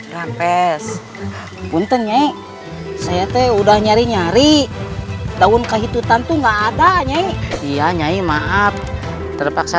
kantes buntennya saya teh udah nyari nyari daun kahit hutan tuh nggak ada nyai iya nyai maaf terpaksa